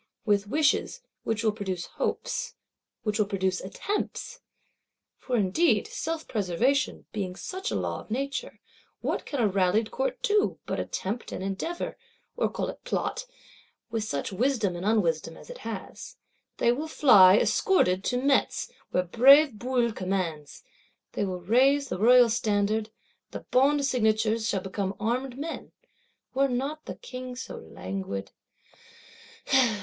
With wishes; which will produce hopes; which will produce attempts! For indeed self preservation being such a law of Nature, what can a rallied Court do, but attempt and endeavour, or call it plot,—with such wisdom and unwisdom as it has? They will fly, escorted, to Metz, where brave Bouillé commands; they will raise the Royal Standard: the Bond signatures shall become armed men. Were not the King so languid!